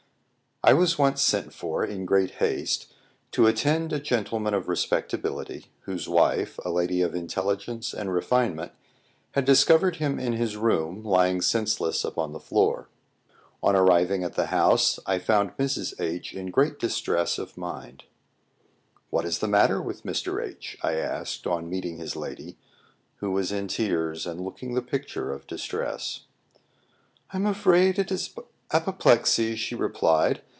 I WAS once sent for, in great haste, to attend a gentleman of respectability, whose wife, a lady of intelligence and refinement, had discovered him in his room lying senseless upon the floor. On arriving at the house, I found Mrs. H in great distress of mind. "What is the matter with Mr. H ?" I asked, on meeting his lady, who was in tears and looking the picture of distress. "I'm afraid it is apoplexy," she replied.